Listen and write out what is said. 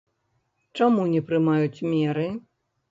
Чаму не прымаюцца меры?